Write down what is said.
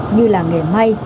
như làng nghề may